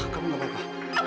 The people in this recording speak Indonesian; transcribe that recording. kamu tidak apa apa